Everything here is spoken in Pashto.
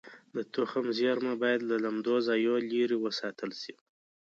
د تخم زېرمه باید له لمدو ځایونو لرې وساتل شي.